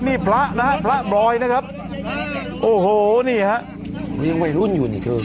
นี่พระนะฮะพระบรอยนะครับโอ้โหนี่ฮะยังวัยรุ่นอยู่นี่เธอ